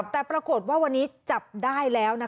แต่ปรากฏว่าวันนี้จับได้แล้ว